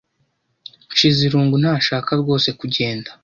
Nshizirungu ntashaka rwose kugenda.